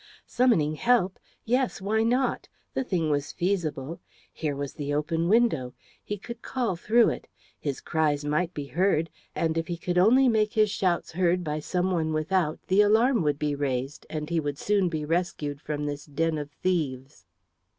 Summoning help? Yes! why not? The thing was feasible. Here was the open window. He could call through it. His cries might be heard, and if he could only make his shouts heard by some one without the alarm would be raised, and he would soon be rescued from this den of thieves.